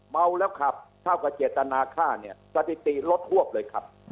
เมาแล้วครับเท่ากับเจตนาค่าสถิติลดทวบเลยครับ